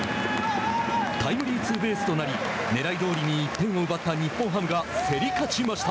タイムリーツーベースとなりねらいどおりに１点を奪った日本ハムが競り勝ちました。